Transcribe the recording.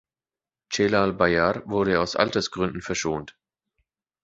Celal Bayar wurde aus Altersgründen verschont.